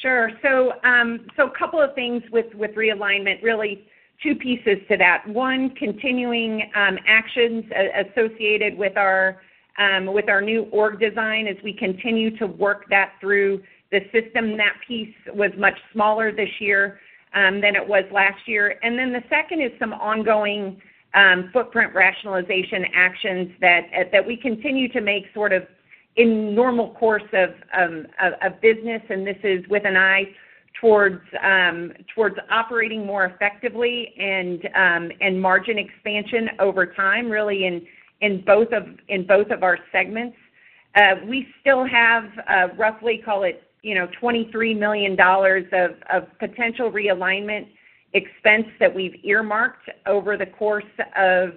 Sure. So a couple of things with realignment, really two pieces to that. One, continuing actions associated with our new org design as we continue to work that through the system. That piece was much smaller this year than it was last year. And then the second is some ongoing footprint rationalization actions that we continue to make sort of in normal course of business. And this is with an eye towards operating more effectively and margin expansion over time, really, in both of our segments. We still have roughly, call it, $23 million of potential realignment expense that we've earmarked over the course of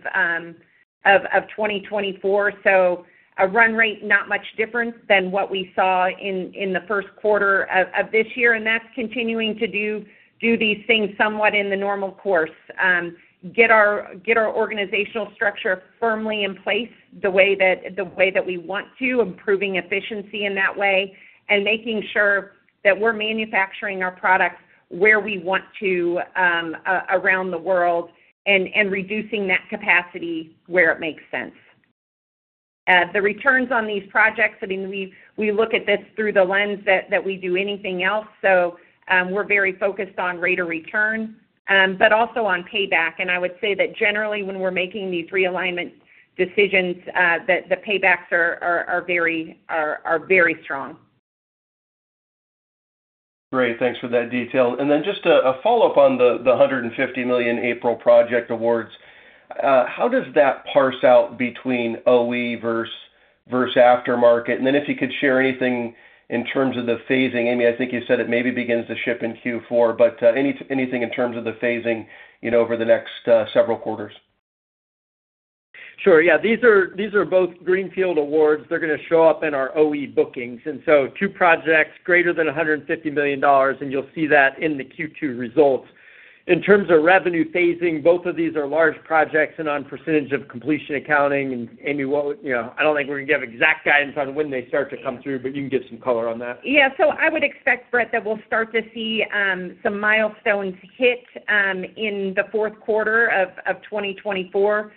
2024. So a run rate not much different than what we saw in the first quarter of this year. And that's continuing to do these things somewhat in the normal course, get our organizational structure firmly in place the way that we want to, improving efficiency in that way, and making sure that we're manufacturing our products where we want to around the world and reducing that capacity where it makes sense. The returns on these projects, I mean, we look at this through the lens that we do anything else. So we're very focused on rate of return, but also on payback. And I would say that generally, when we're making these realignment decisions, the paybacks are very strong. Great. Thanks for that detail. And then just a follow-up on the $150 million April project awards. How does that parse out between OE versus aftermarket? And then if you could share anything in terms of the phasing Amy, I think you said it maybe begins to ship in Q4, but anything in terms of the phasing over the next several quarters? Sure. Yeah. These are both greenfield awards. They're going to show up in our OE bookings. And so two projects, greater than $150 million, and you'll see that in the Q2 results. In terms of revenue phasing, both of these are large projects and on percentage of completion accounting. And Amy, I don't think we're going to give exact guidance on when they start to come through, but you can give some color on that. Yeah. So I would expect, Brett, that we'll start to see some milestones hit in the fourth quarter of 2024.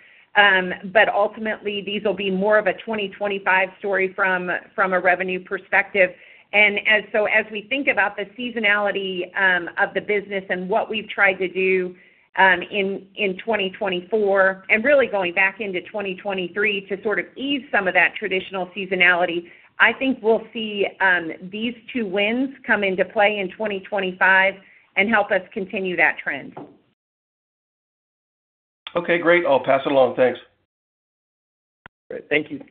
But ultimately, these will be more of a 2025 story from a revenue perspective. And so as we think about the seasonality of the business and what we've tried to do in 2024 and really going back into 2023 to sort of ease some of that traditional seasonality, I think we'll see these two wins come into play in 2025 and help us continue that trend. Okay. Great. I'll pass it along. Thanks. Great. Thank you.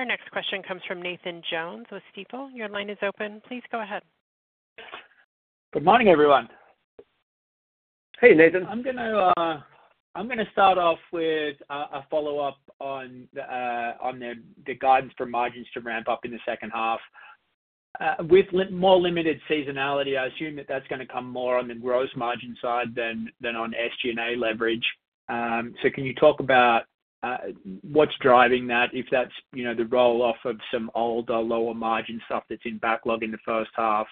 Our next question comes from Nathan Jones with Stifel. Your line is open. Please go ahead. Good morning, everyone. Hey, Nathan. I'm going to start off with a follow-up on the guidance for margins to ramp up in the second half. With more limited seasonality, I assume that that's going to come more on the gross margin side than on SG&A leverage. So can you talk about what's driving that, if that's the roll-off of some older lower margin stuff that's in backlog in the first half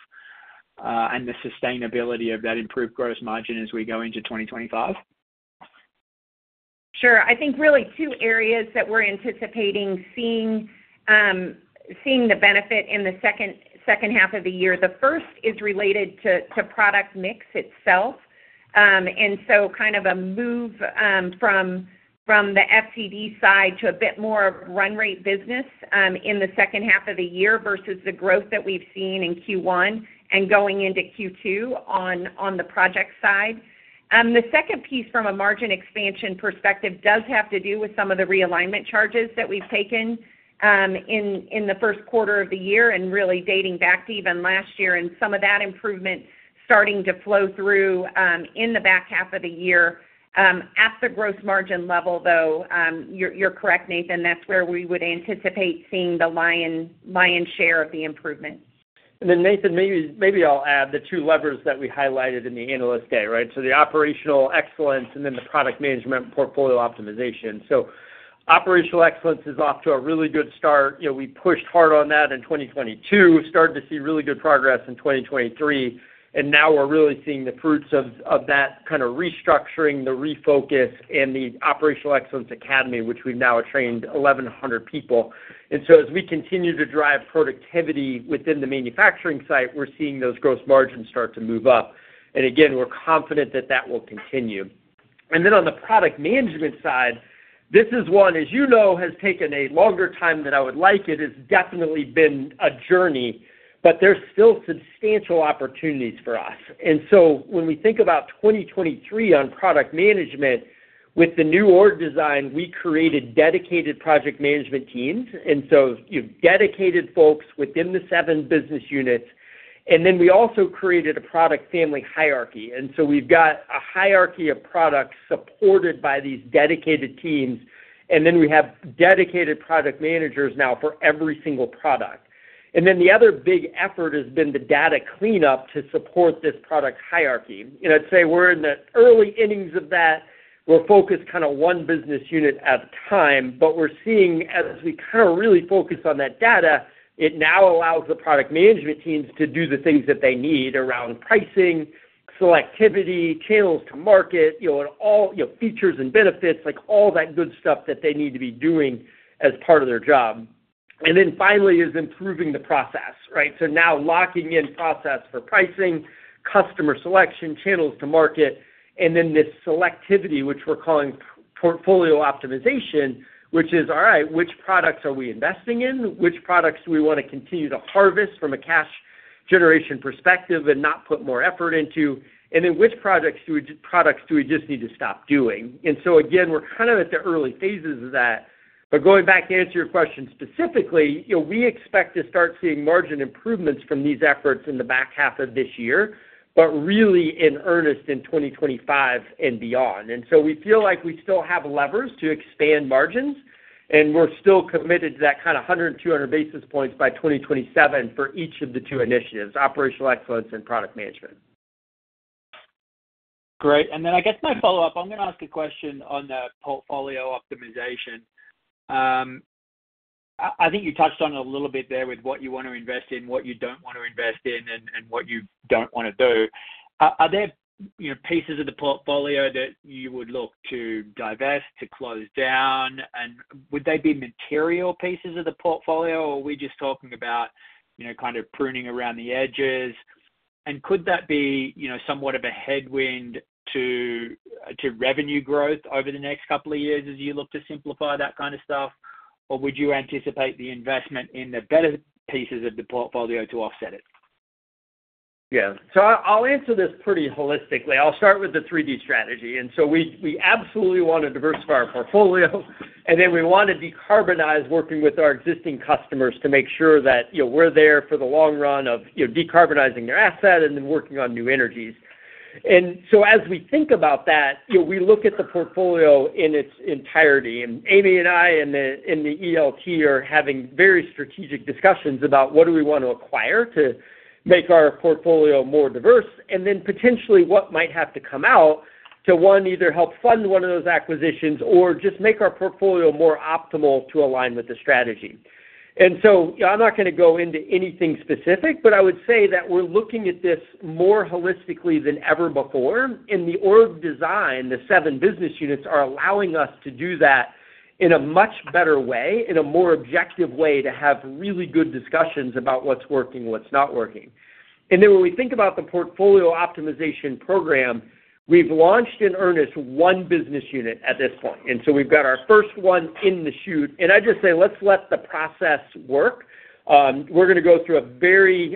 and the sustainability of that improved gross margin as we go into 2025? Sure. I think really two areas that we're anticipating seeing the benefit in the second half of the year. The first is related to product mix itself and so kind of a move from the FCD side to a bit more of run rate business in the second half of the year versus the growth that we've seen in Q1 and going into Q2 on the project side. The second piece from a margin expansion perspective does have to do with some of the realignment charges that we've taken in the first quarter of the year and really dating back to even last year and some of that improvement starting to flow through in the back half of the year. At the gross margin level, though, you're correct, Nathan. That's where we would anticipate seeing the lion's share of the improvement. And then, Nathan, maybe I'll add the two levers that we highlighted in the Analyst Day, right? So the Operational Excellence and then the product management portfolio optimization. So Operational Excellence is off to a really good start. We pushed hard on that in 2022, started to see really good progress in 2023, and now we're really seeing the fruits of that kind of restructuring, the refocus, and the Operational Excellence Academy, which we've now trained 1,100 people. And so as we continue to drive productivity within the manufacturing site, we're seeing those gross margins start to move up. And again, we're confident that that will continue. And then on the product management side, this is one, as you know, has taken a longer time than I would like. It has definitely been a journey, but there's still substantial opportunities for us. When we think about 2023 on product management, with the new org design, we created dedicated project management teams, and so dedicated folks within the seven business units. We also created a product family hierarchy. We've got a hierarchy of products supported by these dedicated teams, and then we have dedicated product managers now for every single product. The other big effort has been the data cleanup to support this product hierarchy. I'd say we're in the early innings of that. We're focused kind of one business unit at a time, but we're seeing as we kind of really focus on that data, it now allows the product management teams to do the things that they need around pricing, selectivity, channels to market, features and benefits, all that good stuff that they need to be doing as part of their job. And then finally is improving the process, right? So now locking in process for pricing, customer selection, channels to market, and then this selectivity, which we're calling portfolio optimization, which is, "All right, which products are we investing in? Which products do we want to continue to harvest from a cash generation perspective and not put more effort into? And then which products do we just need to stop doing?" And so again, we're kind of at the early phases of that. But going back to answer your question specifically, we expect to start seeing margin improvements from these efforts in the back half of this year, but really in earnest in 2025 and beyond. We feel like we still have levers to expand margins, and we're still committed to that kind of 100-200 basis points by 2027 for each of the two initiatives, operational excellence and product management. Great. Then I guess my follow-up, I'm going to ask a question on the portfolio optimization. I think you touched on it a little bit there with what you want to invest in, what you don't want to invest in, and what you don't want to do. Are there pieces of the portfolio that you would look to divest, to close down? And would they be material pieces of the portfolio, or are we just talking about kind of pruning around the edges? Could that be somewhat of a headwind to revenue growth over the next couple of years as you look to simplify that kind of stuff, or would you anticipate the investment in the better pieces of the portfolio to offset it? Yeah. So I'll answer this pretty holistically. I'll start with the 3D strategy. So we absolutely want to diversify our portfolio, and then we want to decarbonize, working with our existing customers to make sure that we're there for the long run of decarbonizing their asset and then working on new energies. So as we think about that, we look at the portfolio in its entirety. Amy and I in the ELT are having very strategic discussions about what do we want to acquire to make our portfolio more diverse, and then potentially what might have to come out to, one, either help fund one of those acquisitions or just make our portfolio more optimal to align with the strategy. So I'm not going to go into anything specific, but I would say that we're looking at this more holistically than ever before. In the org design, the seven business units are allowing us to do that in a much better way, in a more objective way to have really good discussions about what's working, what's not working. Then when we think about the portfolio optimization program, we've launched in earnest one business unit at this point. So we've got our first one in the chute. I just say, "Let's let the process work." We're going to go through a very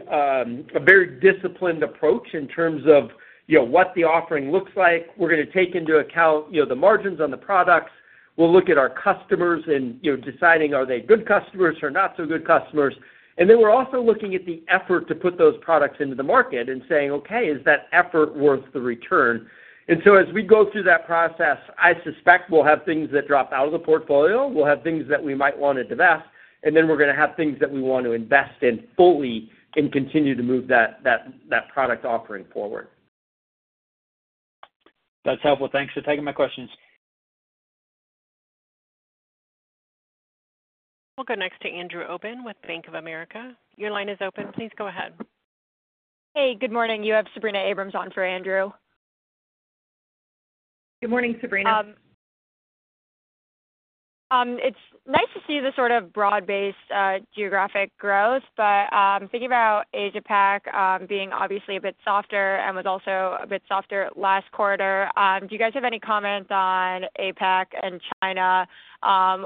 disciplined approach in terms of what the offering looks like. We're going to take into account the margins on the products. We'll look at our customers and deciding, "Are they good customers or not so good customers?" And then we're also looking at the effort to put those products into the market and saying, "Okay, is that effort worth the return?" And so as we go through that process, I suspect we'll have things that drop out of the portfolio. We'll have things that we might want to divest, and then we're going to have things that we want to invest in fully and continue to move that product offering forward. That's helpful. Thanks for taking my questions. We'll go next to Andrew Obin with Bank of America. Your line is open. Please go ahead. Hey. Good morning. You have Sabrina Abrams on for Andrew. Good morning, Sabrina. It's nice to see the sort of broad-based geographic growth, but thinking about Asia Pacific being obviously a bit softer and was also a bit softer last quarter, do you guys have any comment on APAC and China,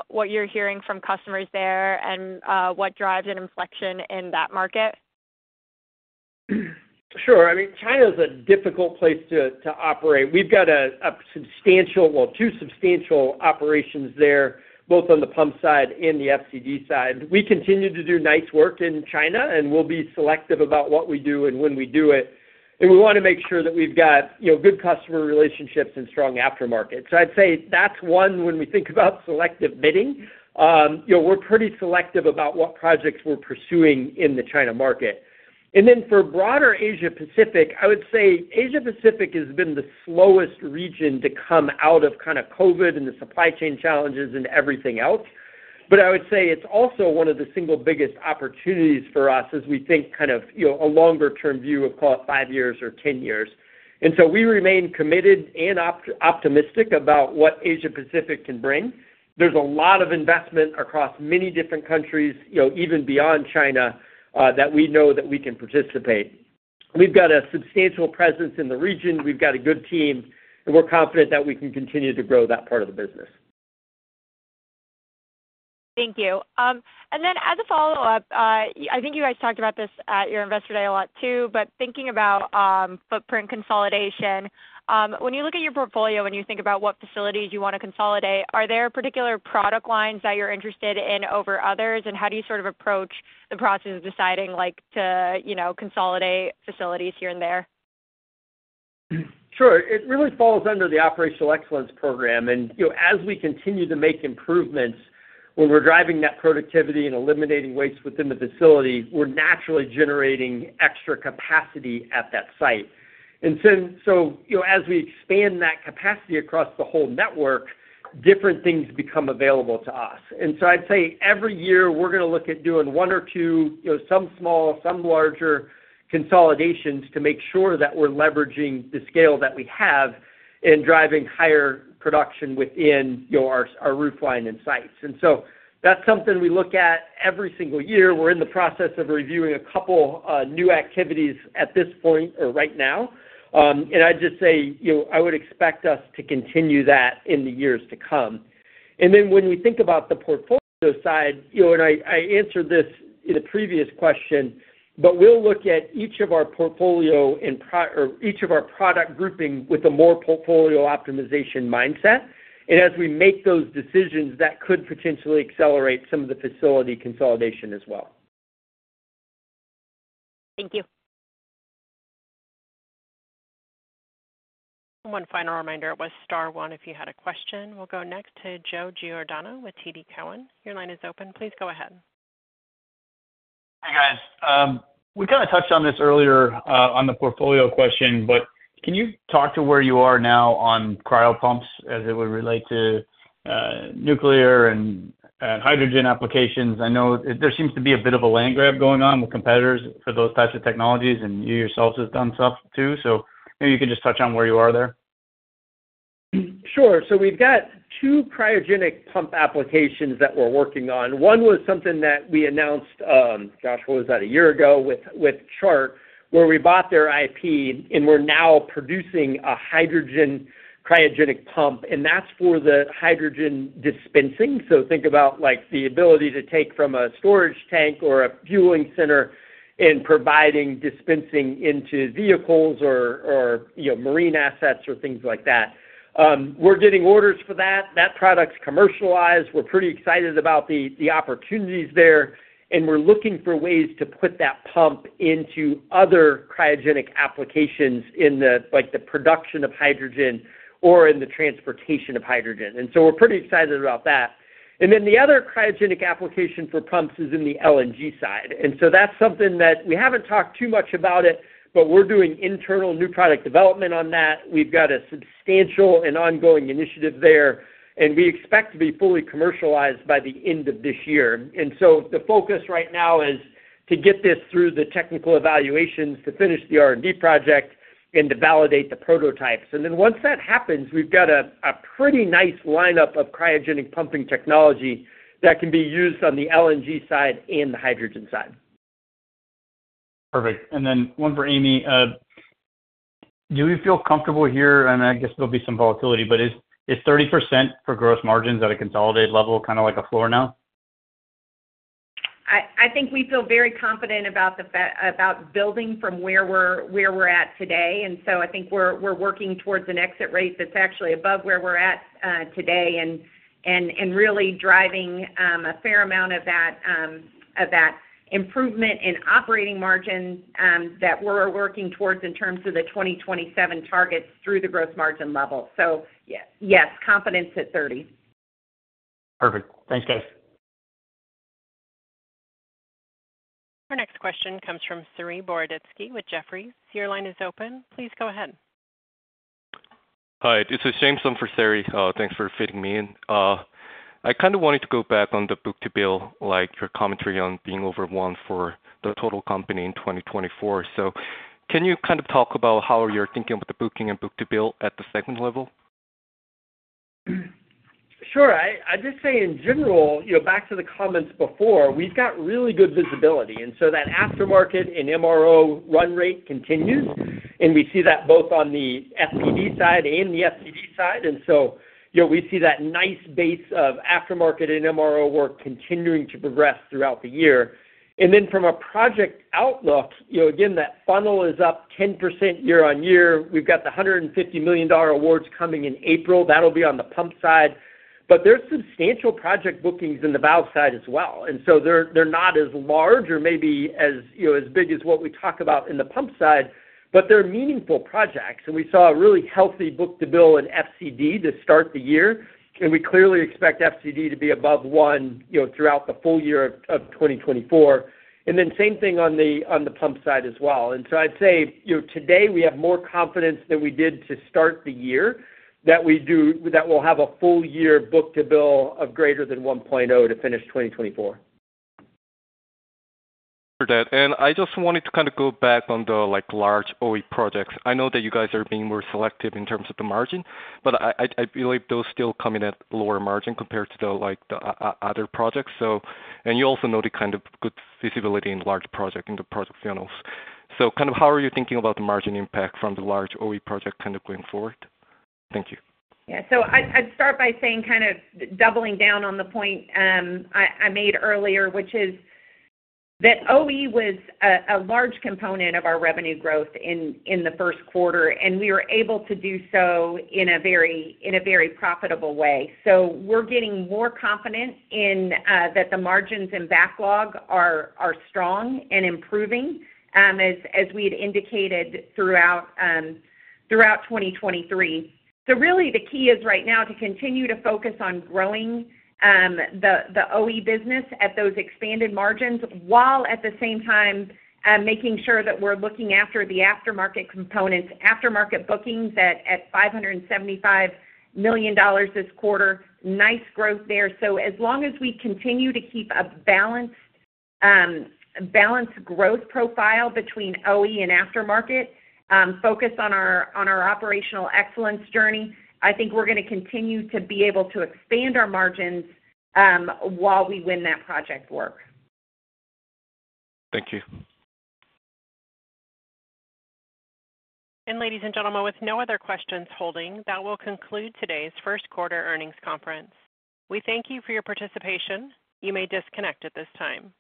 what you're hearing from customers there, and what drives an inflection in that market? Sure. I mean, China is a difficult place to operate. We've got a substantial, well, two substantial operations there, both on the pump side and the FCD side. We continue to do nice work in China, and we'll be selective about what we do and when we do it. We want to make sure that we've got good customer relationships and strong aftermarket. So I'd say that's one when we think about selective bidding. We're pretty selective about what projects we're pursuing in the China market. And then for broader Asia-Pacific, I would say Asia-Pacific has been the slowest region to come out of kind of COVID and the supply chain challenges and everything else. But I would say it's also one of the single biggest opportunities for us as we think kind of a longer-term view of, call it, five years or 10 years. And so we remain committed and optimistic about what Asia-Pacific can bring. There's a lot of investment across many different countries, even beyond China, that we know that we can participate. We've got a substantial presence in the region. We've got a good team, and we're confident that we can continue to grow that part of the business. Thank you. And then as a follow-up, I think you guys talked about this at your investor day a lot too, but thinking about footprint consolidation, when you look at your portfolio and you think about what facilities you want to consolidate, are there particular product lines that you're interested in over others, and how do you sort of approach the process of deciding to consolidate facilities here and there? Sure. It really falls under the Operational Excellence Program. And as we continue to make improvements when we're driving that productivity and eliminating waste within the facility, we're naturally generating extra capacity at that site. And so as we expand that capacity across the whole network, different things become available to us. And so I'd say every year, we're going to look at doing one or two, some small, some larger, consolidations to make sure that we're leveraging the scale that we have and driving higher production within our roof line and sites. And so that's something we look at every single year. We're in the process of reviewing a couple of new activities at this point or right now. And I'd just say I would expect us to continue that in the years to come. Then when we think about the portfolio side and I answered this in the previous question, but we'll look at each of our portfolio or each of our product grouping with a more portfolio optimization mindset. As we make those decisions, that could potentially accelerate some of the facility consolidation as well. Thank you. One final reminder. It was star one if you had a question. We'll go next to Joe Giordano with TD Cowen. Your line is open. Please go ahead. Hey, guys. We kind of touched on this earlier on the portfolio question, but can you talk to where you are now on cryopumps as it would relate to nuclear and hydrogen applications? I know there seems to be a bit of a land grab going on with competitors for those types of technologies, and you yourselves have done stuff too. So maybe you could just touch on where you are there. Sure. So we've got two cryogenic pump applications that we're working on. One was something that we announced (gosh, what was that?) a year ago with Chart, where we bought their IP, and we're now producing a hydrogen cryogenic pump. And that's for the hydrogen dispensing. So think about the ability to take from a storage tank or a fueling center and providing dispensing into vehicles or marine assets or things like that. We're getting orders for that. That product's commercialized. We're pretty excited about the opportunities there, and we're looking for ways to put that pump into other cryogenic applications in the production of hydrogen or in the transportation of hydrogen. And so we're pretty excited about that. And then the other cryogenic application for pumps is in the LNG side. That's something that we haven't talked too much about it, but we're doing internal new product development on that. We've got a substantial and ongoing initiative there, and we expect to be fully commercialized by the end of this year. The focus right now is to get this through the technical evaluations to finish the R&D project and to validate the prototypes. Then once that happens, we've got a pretty nice lineup of cryogenic pumping technology that can be used on the LNG side and the hydrogen side. Perfect. And then one for Amy. Do we feel comfortable here? And I guess there'll be some volatility, but is 30% for gross margins at a consolidated level kind of like a floor now? I think we feel very confident about building from where we're at today. And so I think we're working towards an exit rate that's actually above where we're at today and really driving a fair amount of that improvement in operating margin that we're working towards in terms of the 2027 targets through the gross margin level. So yes, confidence at 30. Perfect. Thanks, guys. Our next question comes from Saree Boroditsky with Jefferies. Your line is open. Please go ahead. Hi. This is Jameson for Saree. Thanks for fitting me in. I kind of wanted to go back on the book-to-bill, your commentary on being over 1 for the total company in 2024. Can you kind of talk about how you're thinking about the booking and book-to-bill at the segment level? Sure. I'd just say in general, back to the comments before, we've got really good visibility. And so that aftermarket and MRO run rate continues, and we see that both on the FPD side and the FCD side. And so we see that nice base of aftermarket and MRO work continuing to progress throughout the year. And then from a project outlook, again, that funnel is up 10% year-over-year. We've got the $150 million awards coming in April. That'll be on the pump side. But there's substantial project bookings in the valve side as well. And so they're not as large or maybe as big as what we talk about in the pump side, but they're meaningful projects. And we saw a really healthy book-to-bill in FCD to start the year. And we clearly expect FCD to be above 1 throughout the full year of 2024. Same thing on the pump side as well. I'd say today, we have more confidence than we did to start the year that we'll have a full year book-to-bill of greater than 1.0 to finish 2024. For that. And I just wanted to kind of go back on the large OE projects. I know that you guys are being more selective in terms of the margin, but I believe those still come in at lower margin compared to the other projects. And you also noted kind of good visibility in large projects in the project funnels. So kind of how are you thinking about the margin impact from the large OE project kind of going forward? Thank you. Yeah. So I'd start by saying kind of doubling down on the point I made earlier, which is that OE was a large component of our revenue growth in the first quarter, and we were able to do so in a very profitable way. So we're getting more confident in that the margins and backlog are strong and improving as we had indicated throughout 2023. So really, the key is right now to continue to focus on growing the OE business at those expanded margins while at the same time making sure that we're looking after the aftermarket components, aftermarket bookings at $575 million this quarter. Nice growth there. So as long as we continue to keep a balanced growth profile between OE and aftermarket, focus on our operational excellence journey, I think we're going to continue to be able to expand our margins while we win that project work. Thank you. Ladies and gentlemen, with no other questions holding, that will conclude today's first quarter earnings conference. We thank you for your participation. You may disconnect at this time.